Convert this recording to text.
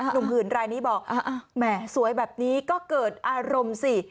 หื่นรายนี้บอกแหมสวยแบบนี้ก็เกิดอารมณ์สิ